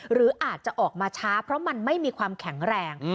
หรืออาจจะออกมาช้าเพราะมันไม่มีความแข็งแรง